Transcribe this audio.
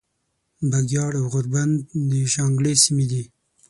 بګیاړ او غوربند د شانګلې سیمې دي